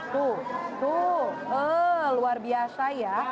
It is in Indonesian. tuh tuh luar biasa ya